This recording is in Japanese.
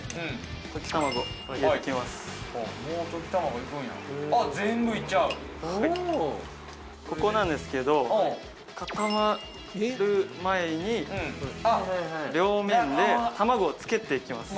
はいここなんですけど固まる前に両面で卵をつけていきます